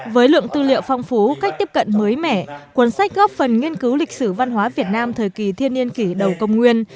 với lượng tư liệu phong phú cách tiếp cận mới mẻ cuốn sách góp phần nghiên cứu lịch sử văn hóa việt nam thời kỳ thiên niên kỷ đầu công nguyên